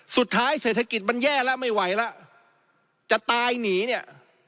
สุดท้ายเศรษฐกิจมันแย่ละไม่ไหวละจะตายหนีเนี่ย